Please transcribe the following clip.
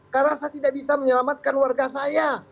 karena saya tidak bisa menyelamatkan warga saya